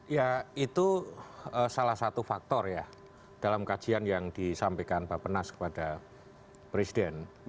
ya itu salah satu faktor ya dalam kajian yang disampaikan pak penas kepada presiden